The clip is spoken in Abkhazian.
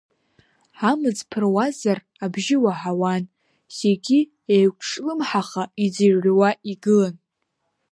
Амҵ ԥыруазар абжьы уаҳауан, зегьы еиқәҿлымҳаха иӡырҩуа игылан.